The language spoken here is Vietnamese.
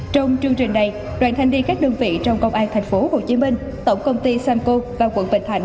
trong chương trình này đoàn thanh niên các đơn vị trong công an thành phố hồ chí minh tổng công ty samco và quận bình thành